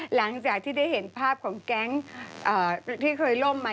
หลังจากที่ได้เห็นภาพของแก๊งที่เคยล่มมา